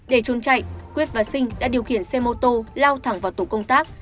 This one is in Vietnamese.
để trôn chạy quyết và sinh đã điều khiển xe mô tô lao thẳng vào tổ công tác